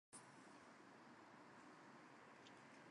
The south peak is the highest among three peaks.